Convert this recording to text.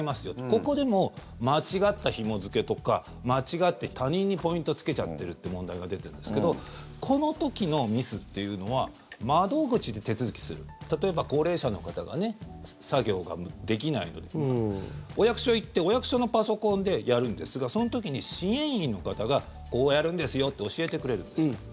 ここでも間違ったひも付けとか間違って他人にポイントをつけちゃってるという問題が出てるんですけどこの時のミスというのは窓口で手続きする例えば高齢者の方が作業ができないのでお役所に行ってお役所のパソコンでやるんですがその時に支援員の方がこうやるんですよと教えてくれるんです。